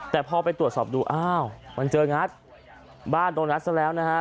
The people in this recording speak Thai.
แต่พอไปตรวจสอบดูอ้าวมันเจองัดบ้านโดนงัดซะแล้วนะฮะ